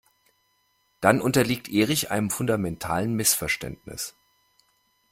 Dann unterliegt Erich einem fundamentalen Missverständnis.